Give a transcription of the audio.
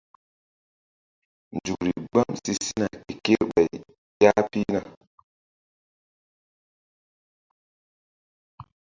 Nzukri gbam si sina ke kerɓay ƴah pihna.